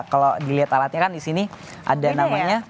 kalau dilihat alatnya kan disini ada namanya